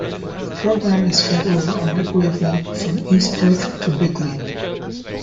The programme is fed over a microwave link from East Perth to Bickley.